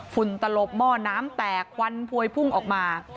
ฝุ่นตลบหม้อน้ำแตกควันพวยพุ่งออกมา